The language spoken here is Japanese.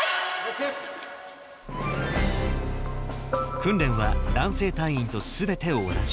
訓練は男性隊員とすべて同じ。